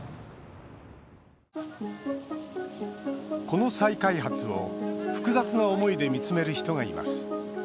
この再開発を複雑な思いで見つめる人がいます。